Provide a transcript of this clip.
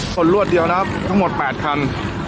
คนรวดเดียวนะครับทั้งหมด๘คัน